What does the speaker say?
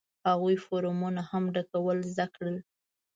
هغوی فورمونه هم ډکول زده کړل.